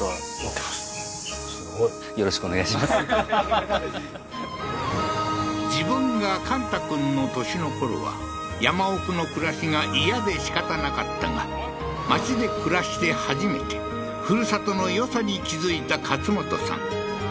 はっ自分が勘太くんの年のころは山奥の暮らしが嫌でしかたなかったが町で暮らして初めてふるさとのよさに気づいた勝元さん